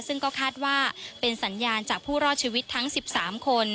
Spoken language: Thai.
ซึ่งก็คาดว่าเป็นสัญญาณจากผู้รอดชีวิตทั้ง๑๓คน